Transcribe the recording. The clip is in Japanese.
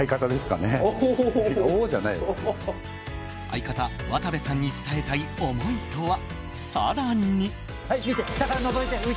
相方・渡部さんへ伝えたい思いとは。